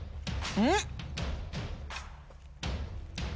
うん。